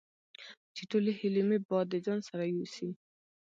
چې ټولې هیلې مې باد د ځان سره یوسي